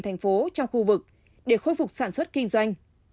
thành phố trong khu vực để khôi phục sản xuất kinh doanh